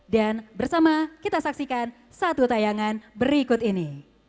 dan bersama kita saksikan satu tayangan berikut ini